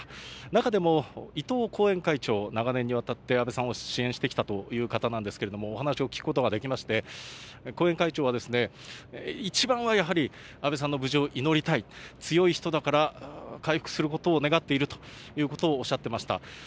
中でも、伊藤後援会長、長年にわたって安倍さんを支援してきたという方なんですけれども、お話を聞くことができまして、後援会長は、一番はやはり、安倍さんの無事を祈りたい、強い人だから、回復することを願っているということをおっしゃっていました。